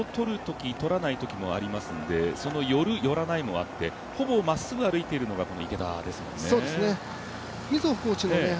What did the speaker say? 水をとるとき、とらないときもありますのでその寄る、寄らないもあってほぼまっすぐ歩いているのがこの池田ですね。